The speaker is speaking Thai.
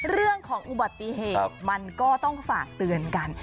เรื่องของอุบัติเหตุมันก็ต้องฝากเตือนกัน